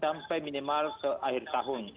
sampai minimal ke akhir tahun